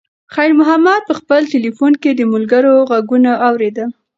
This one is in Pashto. خیر محمد په خپل تلیفون کې د ملګرو غږونه اورېدل.